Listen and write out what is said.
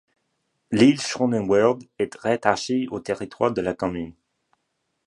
L'île Schönenwerd est rattachée au territoire de la commune.